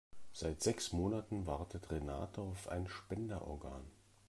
Seit sechs Monaten wartet Renate auf ein Spenderorgan.